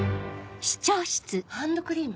・ハンドクリーム？